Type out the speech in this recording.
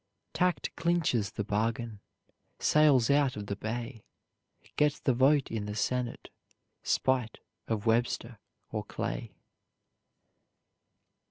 "Tact clinches the bargain, Sails out of the bay, Gets the vote in the Senate, Spite of Webster or Clay."